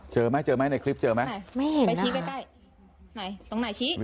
เจอไหมในคลิปเจอไหมไม่เห็นอ่ะ